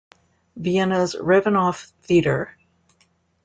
Vienna's Rabenhof Theater.